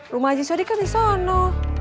rumah haji sodik kan di sana